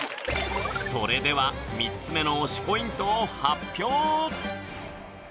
それでは３つ目の推しポイントを発表